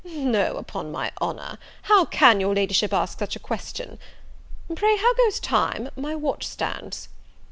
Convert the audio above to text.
"No, upon my honour; how can your Ladyship ask such a question? Pray how goes time? my watch stands."